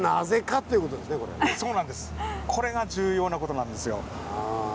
これが重要な事なんですよ。